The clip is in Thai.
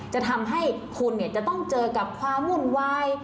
จะทำให้คุณจะต้องเจอกับความวุ่นวาย